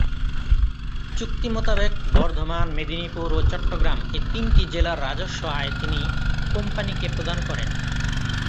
চুক্তি মোতাবেক বর্ধমান, মেদিনীপুর ও চট্টগ্রাম এ তিনটি জেলার রাজস্ব আয় তিনি কোম্পানিকে প্রদান করেন।